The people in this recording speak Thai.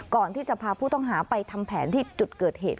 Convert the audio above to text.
ก่อนที่จะพาผู้ต้องหาไปทำแผนที่จุดเกิดเหตุ